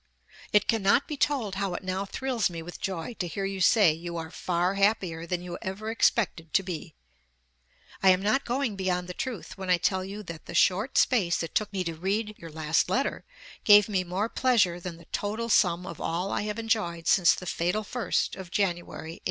It cannot be told how it now thrills me with joy to hear you say you are 'far happier than you ever expected to be.'.. I am not going beyond the truth when I tell you that the short space it took me to read your last letter gave me more pleasure than the total sum of all I have enjoyed since the fatal 1st of January, 1841.